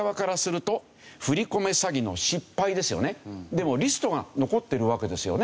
でもリストが残ってるわけですよね。